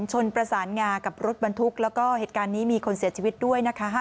ชนประสานงากับรถบรรทุกแล้วก็เหตุการณ์นี้มีคนเสียชีวิตด้วยนะคะ